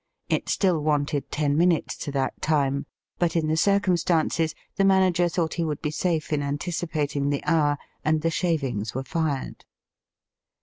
It still wanted ten minutes to that time, but in the circumstances the manager thought he would be safe in antici pating the hour, and the shavings were fired.